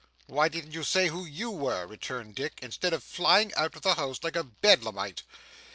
'Why didn't you say who YOU were?' returned Dick, 'instead of flying out of the house like a Bedlamite?